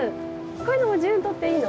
こういうのも自由にとっていいの？